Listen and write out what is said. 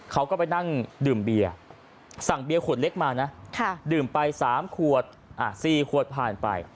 เขาก็ไปนั่งดื่มเบียร์สั่งเบียร์ขวดเล็กมานะดื่มไป๓ขวด๔ขวดผ่านไป